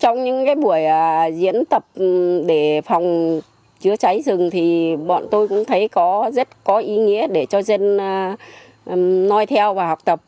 trong những buổi diễn tập để phòng chữa cháy rừng thì bọn tôi cũng thấy có rất có ý nghĩa để cho dân noi theo và học tập